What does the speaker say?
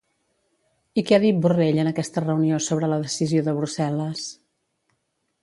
I què ha dit Borrell en aquesta reunió sobre la decisió de Brussel·les?